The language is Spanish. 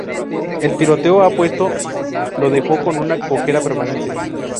El tiroteo ha puesto lo dejó con una cojera permanente.